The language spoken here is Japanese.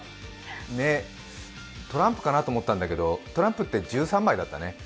ねっ、トランプかなと思ったんだけど、トランプって１３枚だったね。